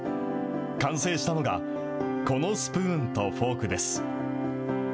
完成したのが、このスプーンとフォークです。